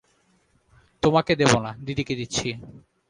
তোমাকে দেব না, দিদিকে দিচ্ছি।